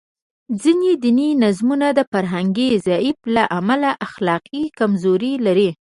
ځینې دیني نظامونه د فرهنګي ضعف له امله اخلاقي کمزوري لري.